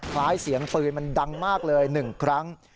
คล้ายเสียงปืนมันดังมากเลย๑ครั้ง